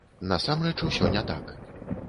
Насамрэч, усё не так.